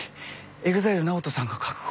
ＥＸＩＬＥＮＡＯＴＯさんが確保。